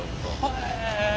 へえ！